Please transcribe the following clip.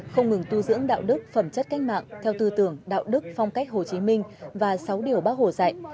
không ngừng tu dưỡng đạo đức phẩm chất cách mạng theo tư tưởng đạo đức phong cách hồ chí minh và sáu điều bác hồ dạy